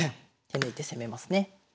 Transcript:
手抜いて攻めますね。